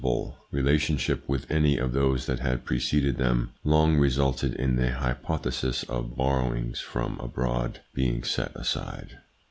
9 n 4 THE PSYCHOLOGY OF PEOPLES: relationship with any of those that had preceded them, long resulted in the hypothesis of borrowings from abroad being set aside.